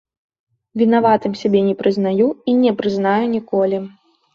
Вінаватым сябе не прызнаю і не прызнаю ніколі.